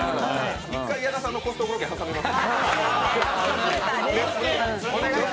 １回矢田さんのコストコロケ挟みます。